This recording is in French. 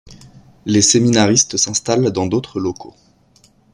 Les séminaristes s'installent dans d'autres locaux.